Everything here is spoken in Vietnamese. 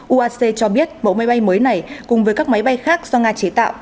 uac cho biết mẫu máy bay mới này cùng với các máy bay khác do nga chế tạo